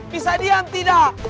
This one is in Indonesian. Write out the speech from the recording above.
bisa diam tidak